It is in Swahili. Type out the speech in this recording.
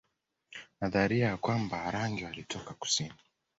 Nadharia ya kwamba Warangi walitoka kusini